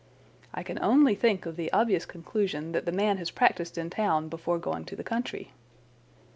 "I can only think of the obvious conclusion that the man has practised in town before going to the country."